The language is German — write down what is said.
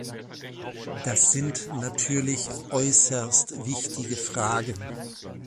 Das sind natürlich äußerst wichtige Fragen.